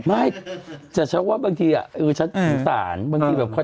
ไม่แต่ฉันว่าบางทีอ่ะอื้อฉันสาหรณ์บางทีแบบค่อย